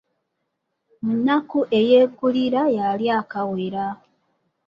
Munaku eyeegulira y'alya akawera.